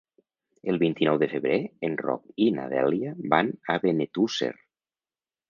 El vint-i-nou de febrer en Roc i na Dèlia van a Benetússer.